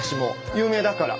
有名だから。